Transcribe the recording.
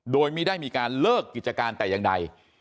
โดยไม่ได้มีการเลิกกิจการแต่อย่างใด